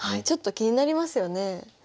ちょっと気になりますよね。